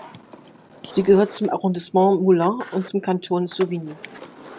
Sie gehört zum Arrondissement Moulins und zum Kanton Souvigny.